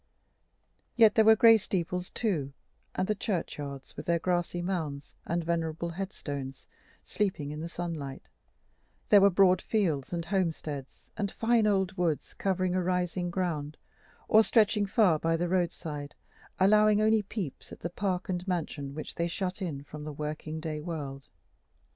Yet there were the gray steeples too, and the churchyards, with their grassy mounds and venerable headstones, sleeping in the sunlight; there were broad fields and homesteads, and fine old woods covering a rising ground, or stretching far by the roadside, allowing only peeps at the park and mansion which they shut in from the working day world.